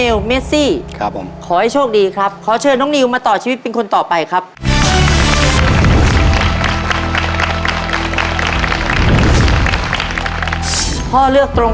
น้องนิวแล้วจะเลือกเรื่องไหนให้น้องนิวครับตอนนี้เหลือด้วยกันอีก๓เรื่องก็คือเรื่อง